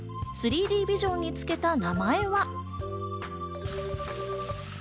３Ｄビジョンにつけた名前は。